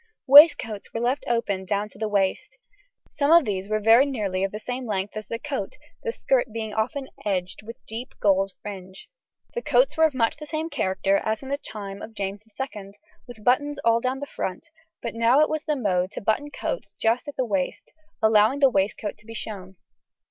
Waistcoats were left open well down to the waist; some of these were nearly of the same length as the coat, the skirt being often edged with deep gold fringe. The coats were of much the same character as in the time of James II, with buttons all down the front, but now it was the mode to button coats just at the waist, allowing the waistcoat to be shown.